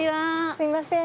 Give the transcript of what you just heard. すいません。